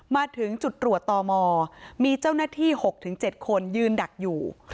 มาถึงจุดตรวจตมมีเจ้าหน้าที่๖๗คนยืนดักอยู่